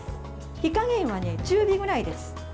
火加減は中火ぐらいです。